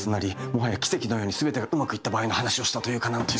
もはや奇跡のように全てがうまくいった場合の話をしたというか何というか。